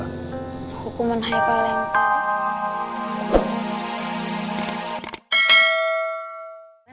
hukuman hekal yang tadi